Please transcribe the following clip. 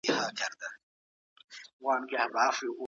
ایا بهرني سوداګر وچه میوه ساتي؟